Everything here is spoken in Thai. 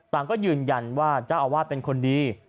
ก็ยืนยันว่าเจ้าอาวาสเป็นคนดี